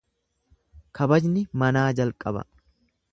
Kabajni manaa jalqaba.